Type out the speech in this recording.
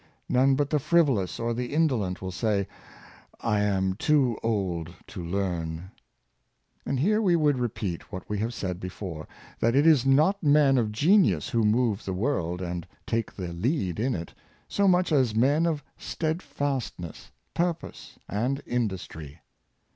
None but the frivolous or the indolent will say, " I am too old to learn." And here we would repeat what we have said before, that it is not men of genius who move the world and take the lead in it, so much as men of steadfastness, purpose, and industry.